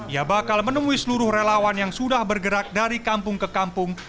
ia bakal menemui seluruh relawan yang sudah bergerak dari kampung ke kampung